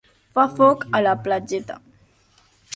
Fa foc a la platgeta.